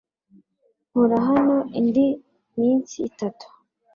Nkora hano indi minsi itatu